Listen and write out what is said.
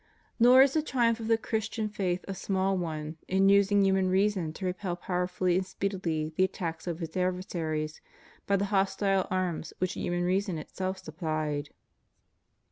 Nor is the triumph of the Christian faith a small one in using human reason to repel power fully and speedily the attacks of its adversaries by the hostile arms which human reason itself supplied.